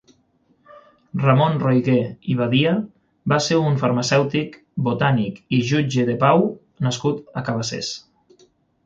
Ramon Roigé i Badia va ser un farmacèutic, botànic i jutge de pau nascut a Cabassers.